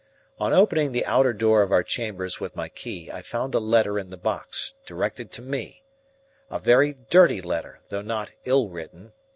On opening the outer door of our chambers with my key, I found a letter in the box, directed to me; a very dirty letter, though not ill written.